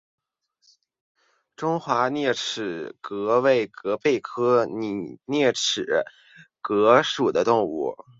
中华拟锯齿蛤为贻贝科拟锯齿蛤属的动物。